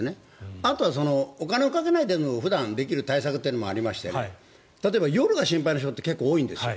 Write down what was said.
あとはお金をかけないで普段できる対策もありまして例えば夜が心配な人って結構多いんです。